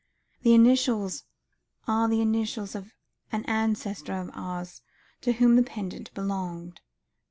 The initials are the initials of an ancestor of ours to whom the pendant belonged.